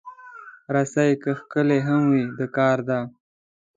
رسۍ که ښکلې هم وي، د کار ده.